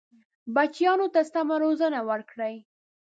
بچیانو ته سمه روزنه ورکړئ.